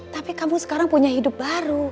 tapi kamu sekarang punya hidup baru